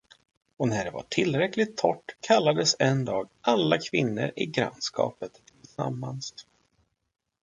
Och när det var tillräckligt torrt kallades en dag alla kvinnor i grannskapet tillsammans.